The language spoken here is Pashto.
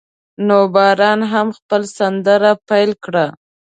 نو باران هم خپل سندره پیل کړه.